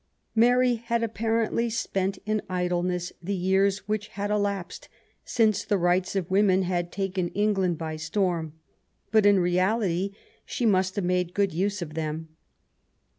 Mary had apparently spent in idleness the years which had elapsed since the Rights of Women had taken England by storm, but, in reality, she must have made good use of them.